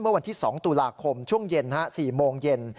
เมื่อวันที่๒ตุลาคมช่วงเย็น๔โมงเย็น